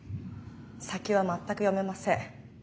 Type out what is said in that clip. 先は全く読めません。